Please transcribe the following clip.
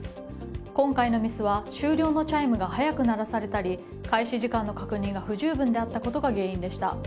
今回のミスは終了のチャイムが早く鳴らされたり開始時間の確認が不十分であったことが原因でした。